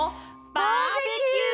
バーベキュー！